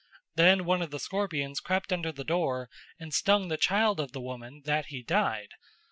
Then one of the scorpions crept under the door and stung the child of the woman that he died.